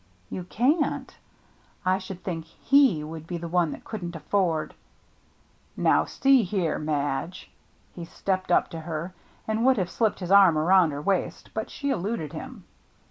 "You can't? I should think he would be the one that couldn't afford —"" Now see here, Madge." He stepped up to her, and would have slipped his arm around her waist, but she eluded him.